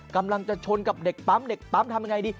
กำลังจะชนกับเด็กปั๊มเด็กปั๊มทำยังไงดี